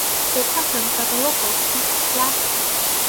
They tell him that the locals speak Latin.